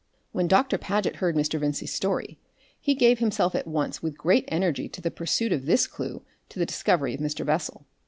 When Doctor Paget heard Mr. Vincey's story, he gave himself at once with great energy to the pursuit of this clue to the discovery of Mr. Bessel.